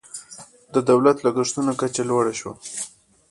د دولت لګښتونو کچه لوړه شوه.